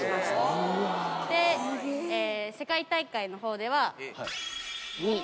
で、世界大会のほうでは２位。